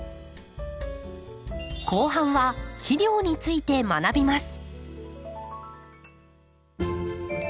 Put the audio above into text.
後半は肥料について学びます。